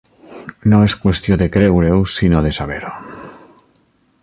No és qüestió de creure-ho, si no de saber-ho.